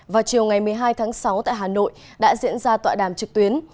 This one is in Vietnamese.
vào chiều ngày một mươi hai tháng sáu tại hà nội đã diễn ra tọa đàm trực tuyến